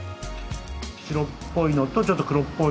白っぽいのとちょっと黒っぽいの。